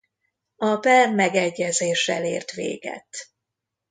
A per megegyezéssel ért véget.